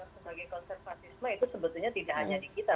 sebagai konservasisme itu sebetulnya tidak hanya di kita